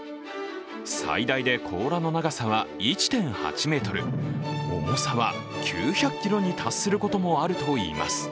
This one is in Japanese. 最大で甲羅の長さは１．８ｍ、重さは９００ｋｇに達することもあるといいます。